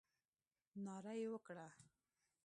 ناره یې وکړه.